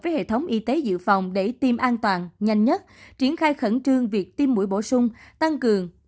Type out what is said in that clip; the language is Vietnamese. với hệ thống y tế dự phòng để tiêm an toàn nhanh nhất triển khai khẩn trương việc tiêm mũi bổ sung tăng cường